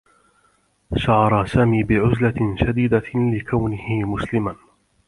شعر سامي بعزلة شديد لكونه مسلما.